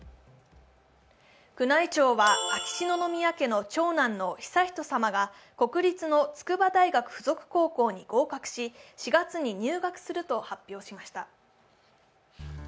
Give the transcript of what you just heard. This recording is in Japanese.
宮内庁は秋篠宮家の長男の悠仁さまが国立の筑波大学附属高校に合格し４月に入学すると発表しました。